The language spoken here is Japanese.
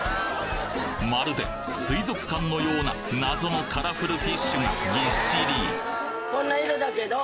まるで水族館のような謎のカラフルフィッシュがぎっしり！